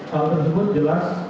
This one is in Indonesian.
hal tersebut jelas